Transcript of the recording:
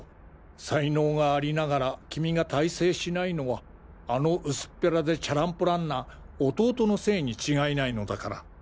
才能がありながらキミが大成しないのはあの薄っぺらでチャランポランな弟のせいに違いないのだから。